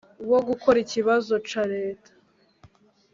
wogukora ikibazo ca Leta……